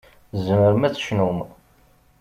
Tzemrem ad tecnum.